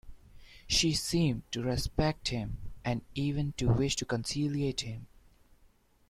She seemed to respect him and even to wish to conciliate him.